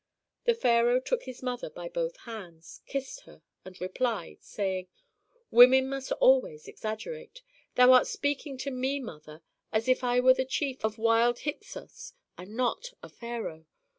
The pharaoh took his mother by both hands, kissed her, and replied, smiling, "Women must always exaggerate. Thou art speaking to me, mother, as if I were the chief of wild Hyksos, and not a pharaoh.